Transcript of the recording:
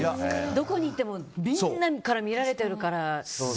どこに行ってもみんなから見られてるから。